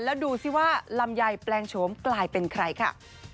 แล้วดูสิว่าลำไยแปลงโฉมกลายเป็นใครค่ะ